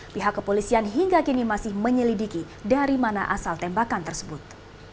pihak kepolisian hingga kini masih menyelidiki dari mana asal tembakan tersebut